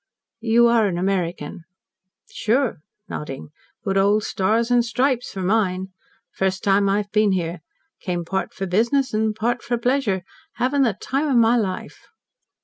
"You are an American?" "Sure," nodding. "Good old Stars and Stripes for mine. First time I've been here. Came part for business and part for pleasure. Having the time of my life."